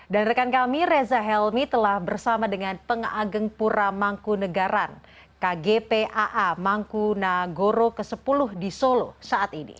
dan rekan kami reza helmi telah bersama dengan pengageng pura mangkunegaran kgpaa mangkunagoro ke sepuluh di solo saat ini